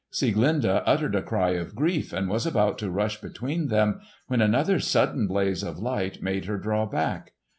Sieglinde uttered a cry of grief and was about to rush between them when another sudden blaze of light made her draw back.